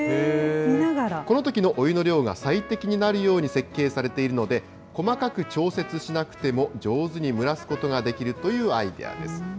このときのお湯の量が最適になるように設計されているので、細かく調節しなくても、上手に蒸らすことができるというアイデアです。